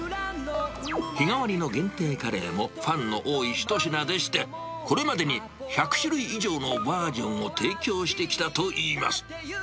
日替わりの限定カレーもファンの多い一品でして、これまでに１００種類以上のバージョンを提供してきたといいます。